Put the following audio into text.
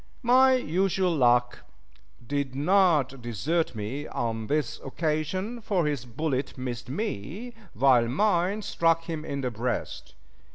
My usual luck did not desert me on this occasion, for his bullet missed me, while mine struck him in the breast.